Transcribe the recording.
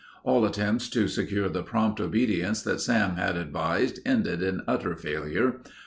All attempts to secure the prompt obedience that Sam had advised ended in utter failure.